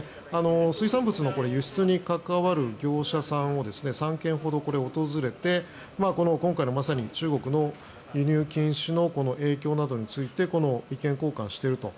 水産物の輸出に関わる業者さんを３軒ほど訪れて今回の、まさに中国の輸入禁止の影響などについて意見交換していると。